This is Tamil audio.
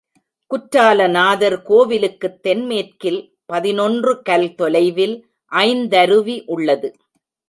குற்றால நாதர் கோவிலுக்குத் தென் மேற்கில் பதினொன்று கல் தொலைவில் ஐந்தருவி உள்ளது.